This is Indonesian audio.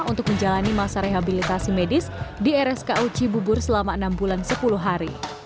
untuk menjalani masa rehabilitasi medis di rsku cibubur selama enam bulan sepuluh hari